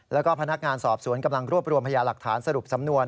แล้วก็พนักงานสอบสวนกำลังรวบรวมพยาหลักฐานสรุปสำนวน